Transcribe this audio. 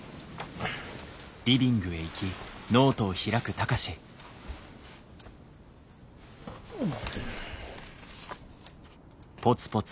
うん。